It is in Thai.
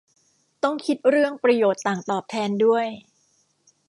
ต้องคิดเรื่องประโยชน์ต่างตอบแทนด้วย